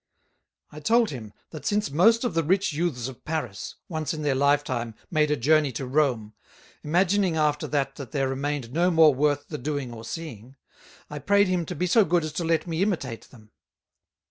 I told him, that since most of the Rich Youths of Paris, once in their life time, made a Journey to Rome; imagining after that that there remained no more worth the doing or seeing; I prayed him to be so good as to let me imitate them.